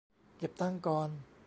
เก็บตังค์ก่อน